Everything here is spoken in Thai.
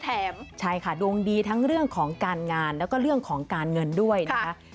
ใช่ค่ะดวงดีทั้งเรื่องของการงานแล้วก็เรื่องของการเงินด้วยนะคะ